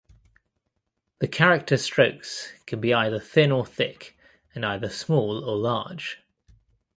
The character strokes can be either thin or thick and either small or large.